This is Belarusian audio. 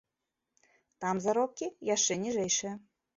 Там заробкі яшчэ ніжэйшыя.